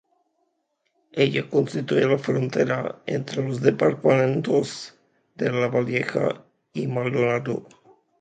Ella constituye la frontera entre los departamentos de Lavalleja y Maldonado.